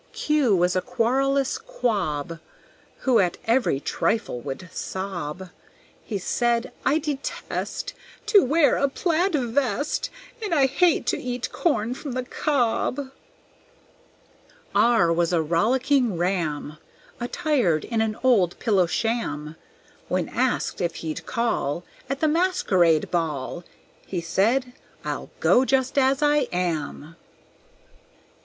Q was a querulous Quab Who at every trifle would sob; He said, "I detest To wear a plaid vest, And I hate to eat corn from the cob!" R was a rollicking Ram, Attired in an old pillow sham. When asked if he'd call At the masquerade ball, He said, "I'll go just as I am."